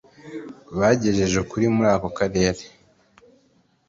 bagejeje ukuri muri ako karere